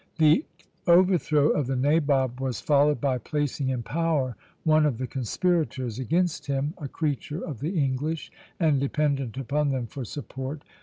The overthrow of the nabob was followed by placing in power one of the conspirators against him, a creature of the English, and dependent upon them for support.